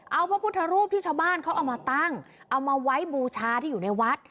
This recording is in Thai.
เอาพระพุทธรูปที่ชาวบ้านเขาเอามาตั้งเอามาไว้บูชาที่อยู่ในวัด